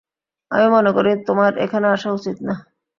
আমি মনেকরি তোমার এখানে আসা উচিত না।